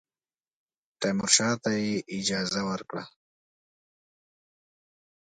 تیمورشاه ته یې اجازه ورکړه.